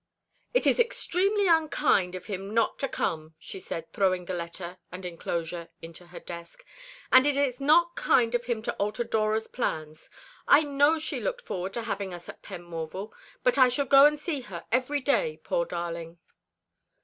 "It is extremely unkind of him not to come," she said, throwing the letter and enclosure into her desk. "And it is not kind of him to alter Dora's plans. I know she looked forward to having us at Penmorval. But I shall go and see her every day, poor darling."